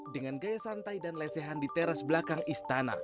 dengan gaya santai dan lesehan di teras belakang istana